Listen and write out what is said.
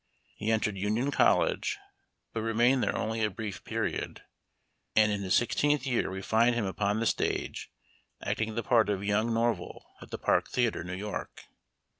He entered Union College, but remained there only a brief period, and in his sixteenth year we find him upon the stage, acting the part of Young Norval at the Park Theater, New York.